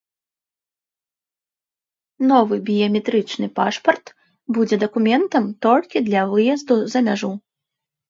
Новы біяметрычны пашпарт будзе дакументам толькі для выезду за мяжу.